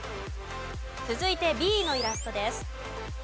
続いてＢのイラストです。